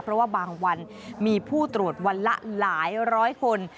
เพราะว่าบางวันมีผู้ตรวจวันละหลายร้อยคน